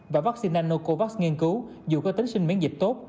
và vaccine nanocovax nghiên cứu dù có tính sinh miễn dịch tốt